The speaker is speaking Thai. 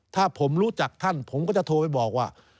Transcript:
ถ้าผมรู้จักท่านผมก็จะโทรไปบอกว่า